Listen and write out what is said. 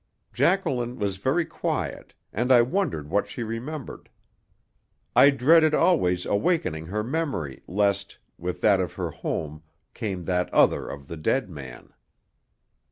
Jacqueline was very quiet, and I wondered what she remembered. I dreaded always awakening her memory lest, with that of her home, came that other of the dead man.